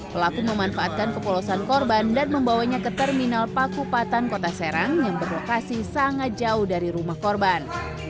pelaku memanfaatkan kepolosan korban dan membawanya ke terminal pakupatan kota serang yang berlokasi sangat jauh dari rumah korban